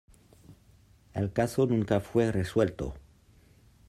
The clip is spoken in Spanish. El caso nunca fue resuelto.